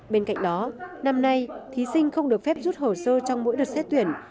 bên cạnh đó năm nay thí sinh không được phép rút hồ sơ trong mỗi đợt xét tuyển